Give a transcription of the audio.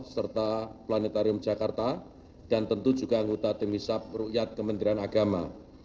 serta planetarium jakarta dan tentu juga anggota demisap rakyat kementerian agama